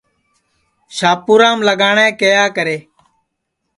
شاپُورام لگاٹؔے کیہا کرے